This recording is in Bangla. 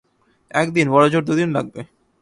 এক দিন, বড়জোর দু দিন লাগবে।